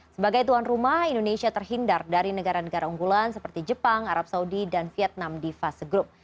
sebagai tuan rumah indonesia terhindar dari negara negara unggulan seperti jepang arab saudi dan vietnam di fase grup